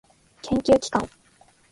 研究機関